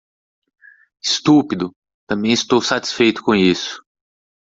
Estúpido, também estou satisfeito com isso.